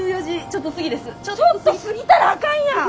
ちょっと過ぎたらあかんやん。